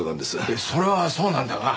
いやそれはそうなんだが。